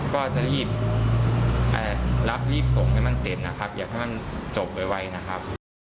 ก็จะรีบรับรีบส่งให้มันเสร็จนะครับอยากให้มันจบไวนะครับ